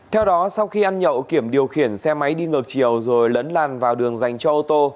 theo đó sau khi ăn nhậu kiểm điều khiển xe máy đi ngược chiều rồi lấn làn vào đường dành cho ô tô